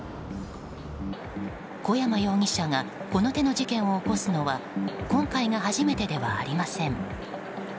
小山容疑者がこの手の事件を起こすのは今回が初めてではありません。